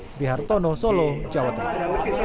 sri hartono solo jawa tengah